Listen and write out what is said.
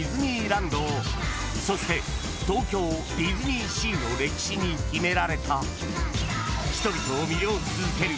［そして東京ディズニーシーの歴史に秘められた人々を魅了し続ける］